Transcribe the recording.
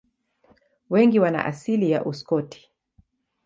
Wengi wana asili ya Uskoti.